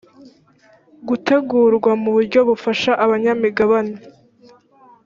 gutegurwa mu buryo bufasha abanyamigabane